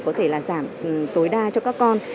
có thể là giảm tối đa cho các con